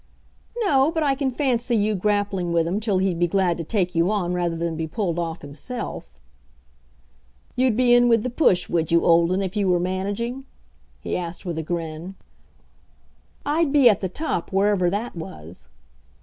"No, but I can fancy you grappling with him till he'd be glad to take you on rather than be pulled off himself." "You'd be in with the push, would you, Olden, if you were managing?" he asked with a grin. "I'd be at the top, wherever that was."